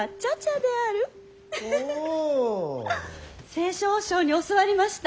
西笑和尚に教わりました。